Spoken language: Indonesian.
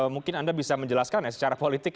mungkin anda bisa menjelaskan ya secara politik